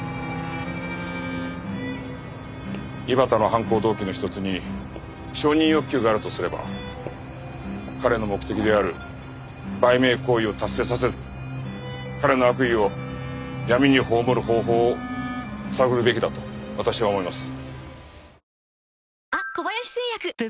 井端の犯行動機の一つに承認欲求があるとすれば彼の目的である売名行為を達成させず彼の悪意を闇に葬る方法を探るべきだと私は思います。